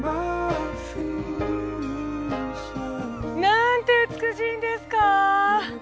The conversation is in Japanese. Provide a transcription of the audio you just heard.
なんて美しいんですか。